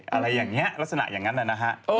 อะไรอย่างนี้ลักษณะอย่างนั้นนะฮะ